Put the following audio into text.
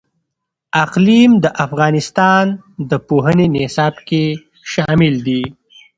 اقلیم د افغانستان د پوهنې نصاب کې شامل دي.